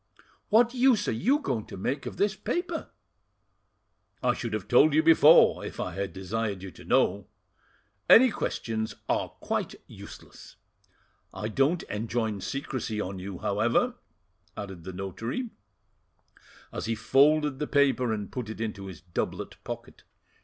"What use are you going to make of this paper?" "I should have told you before, if I had desired you to know. Any questions are quite useless. I don't enjoin secrecy on you, however," added the notary, as he folded the paper and put it into his doublet pocket.